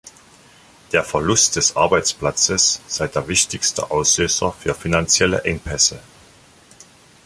Der Verlust des Arbeitsplatzes sei der wichtigste Auslöser für finanzielle Engpässe.